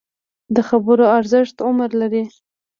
د خبرو ارزښت عمر لري